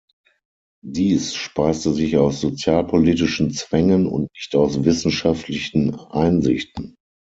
Dies speiste sich aus sozialpolitischen Zwängen und nicht aus wissenschaftlichen Einsichten.